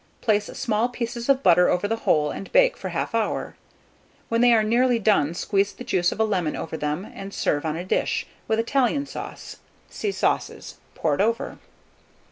Place small pieces of butter over the whole, and bake for 1/2 hour. When they are nearly done, squeeze the juice of a lemon over them, and serve on a dish, with Italian sauce (see Sauces) poured over.